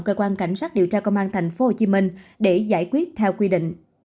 cơ quan cảnh sát điều tra công an tp hcm để giải quyết theo quy định